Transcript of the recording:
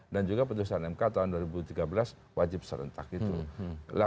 dan juga putusan mk tahun dua ribu tiga belas wajib serentak itu